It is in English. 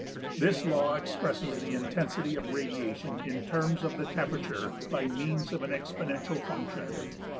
This law expresses the intensity of radiation in terms of the temperature by means of an exponential function.